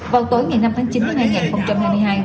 vào tối ngày năm tháng chín năm hai nghìn hai mươi hai